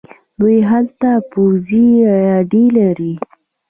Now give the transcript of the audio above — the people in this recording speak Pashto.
دوی هلته پوځي اډې لري.